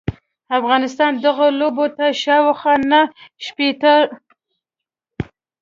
افغانستان دغو لوبو ته شاوخوا نهه شپیته ل